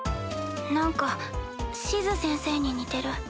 何かシズ先生に似てる。